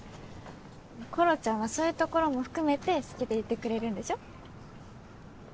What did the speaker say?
ころちゃんはそういうところも含めて好きでいてくれるんでしょ？